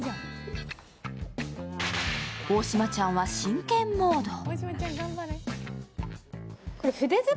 大島ちゃんは真剣モード。